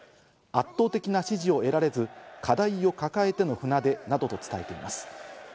圧倒的な支持を得られず、課題を抱えての船出などと伝えています。